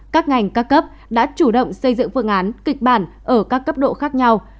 các ngành các cấp đã chủ động xây dựng phương án kịch bản ở các cấp độ khác nhau